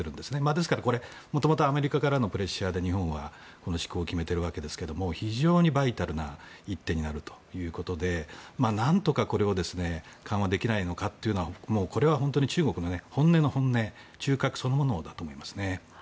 ですから、もともとアメリカからのプレッシャーで日本は施行を決めているわけですが非常にバイタルな一手になるということで何とかこれを緩和できないのかというのはこれは中国の本音の本音中核そのものだと思います。